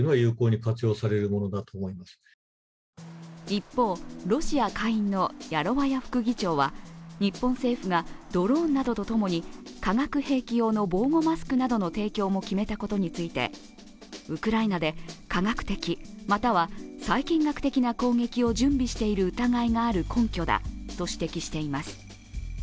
一方、ロシア下院のヤロワヤ副議長は日本政府がドローンなどとともに化学兵器用の防護マスクなどの提供も決めたことについて、ウクライナで化学的、または細菌学的な攻撃を準備している疑いがある根拠だと指摘しています。